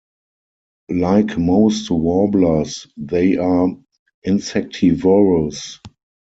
Like most warblers, they are insectivorous.